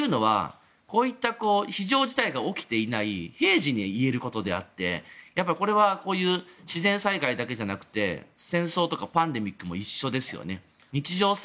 こういったことは非常事態が起きていない平時に言えることであってこれはこういう自然災害だけじゃなくて戦争とかパンデミックも一緒ですよね。